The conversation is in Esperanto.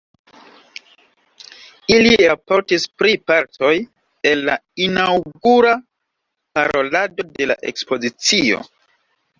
Ili raportis pri partoj el la inaŭgura parolado de la ekspozicio.